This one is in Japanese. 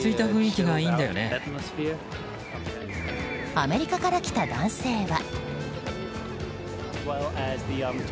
アメリカから来た男性は。